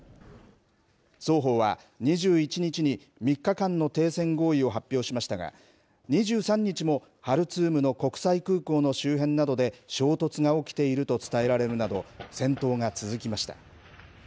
双方は２１日に３日間の停戦合意を発表しましたが、２３日もハルツームの国際空港の周辺などで、衝突が起きていると伝えられるなど、戦闘が続きました。